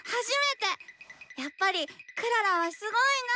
やっぱりクララはすごいな！